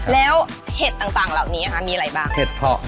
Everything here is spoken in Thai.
แล้วเห็ดต่างเหล่านี้มีอะไรบ้าง